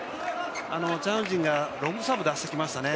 チャン・ウジンがロングサーブ出してきましたね。